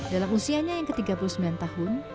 dalam usianya yang ke tiga puluh sembilan tahun